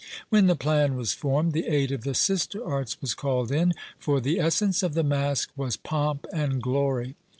When the plan was formed, the aid of the sister arts was called in; for the essence of the Masque was pomp and glory.